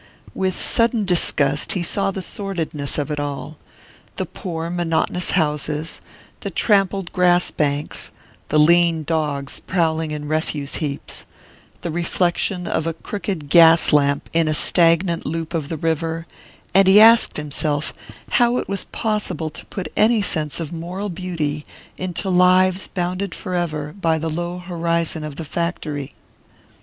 With sudden disgust he saw the sordidness of it all the poor monotonous houses, the trampled grass banks, the lean dogs prowling in refuse heaps, the reflection of a crooked gas lamp in a stagnant loop of the river; and he asked himself how it was possible to put any sense of moral beauty into lives bounded forever by the low horizon of the factory.